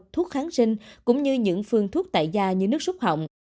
thuốc kháng sinh cũng như những phương thuốc tại da như nước xúc hỏng